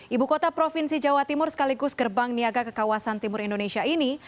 ibu kota provinsi jawa timur sekaligus gerbang niaga ke kawasan timur indonesia ini